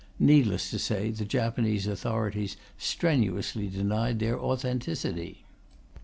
Needless to say the Japanese authorities strenuously denied their authenticity.